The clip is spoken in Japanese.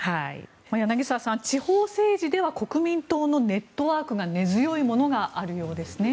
柳澤さん、地方政治では国民党のネットワークが根強いものがあるようですね。